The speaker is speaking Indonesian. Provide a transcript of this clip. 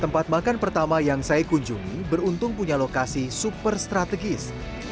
tempat makan pertama yang saya kunjungi beruntung punya lokasi super strategis